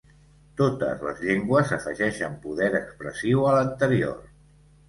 Totes les llengües afegeixen poder expressiu a l'anterior.